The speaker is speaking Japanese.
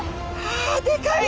あでかい。